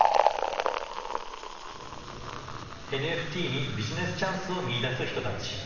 ＮＦＴにビジネスチャンスを見いだす人たち。